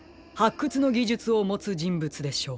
くつのぎじゅつをもつじんぶつでしょう。